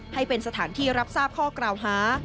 ให้เป็นสถานที่รับทราบข้อกล่าวหา